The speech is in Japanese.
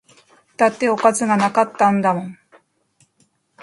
だっておかずが無かったんだもん